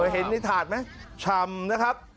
เห็นในถาดไหมชำนะครับ